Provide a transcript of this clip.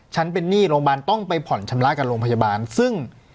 ฉันเป็นหนี้โรงพยาบาลต้องไปผ่อนชำระกับโรงพยาบาลซึ่ง